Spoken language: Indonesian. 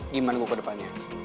gimana gue ke depannya